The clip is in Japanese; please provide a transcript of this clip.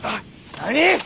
何？